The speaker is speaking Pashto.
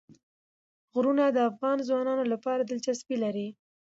غرونه د افغان ځوانانو لپاره دلچسپي لري.